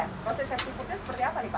proses safety foodnya seperti apa nih pak